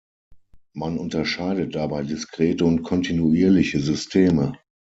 Man unterscheidet dabei diskrete und kontinuierliche Systeme.